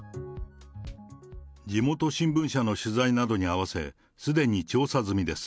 地元新聞社の取材などに合わせ、すでに調査済みです。